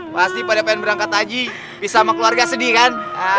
pasti pada pengen berangkat haji bisa sama keluarga sedih kan